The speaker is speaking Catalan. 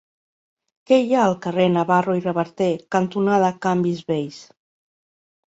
Què hi ha al carrer Navarro i Reverter cantonada Canvis Vells?